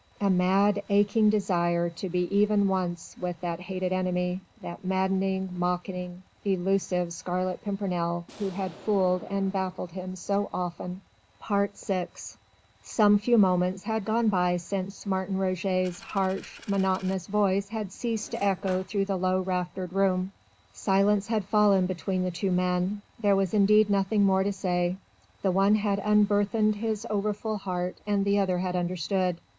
a mad aching desire to be even once with that hated enemy, that maddening, mocking, elusive Scarlet Pimpernel who had fooled and baffled him so often? VI Some few moments had gone by since Martin Roget's harsh, monotonous voice had ceased to echo through the low raftered room: silence had fallen between the two men there was indeed nothing more to say; the one had unburthened his over full heart and the other had understood.